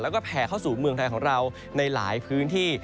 แล้วก็แผ่เข้าสู่เมืองไทยของเราในหลายพื้นที่